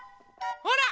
ほら！